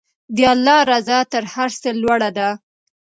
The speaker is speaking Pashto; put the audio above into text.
د الله رضا تر هر څه لوړه ده.